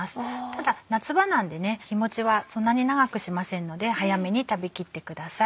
ただ夏場なんでね日持ちはそんなに長くしませんので早めに食べ切ってください。